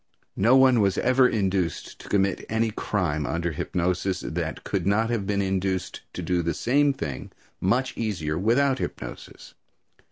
No one was ever induced to commit any crime under hypnosis, that could not have been induced to do the same thing much easier without hypnosis.